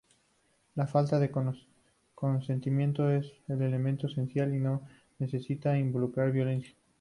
La falta de consentimiento es el elemento esencial y no necesita involucrar violencia.